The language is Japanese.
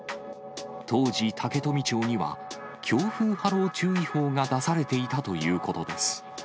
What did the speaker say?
当時、竹富町には強風波浪注意報が出されていたということです。